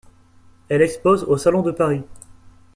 Elle expose au Salon de Paris.